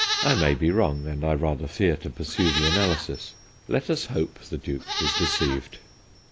I may be wrong, and I rather fear to pursue the analysis ; let us hope the Duke was deceived.